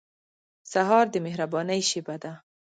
سهار د مهربانۍ شېبه ده.